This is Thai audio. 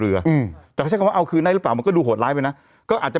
อืมแต่เขาใช้คำว่าเอาคืนได้หรือเปล่ามันก็ดูโหดร้ายไปนะก็อาจจะ